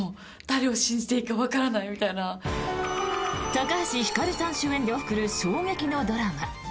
高橋ひかるさん主演で送る衝撃のドラマ。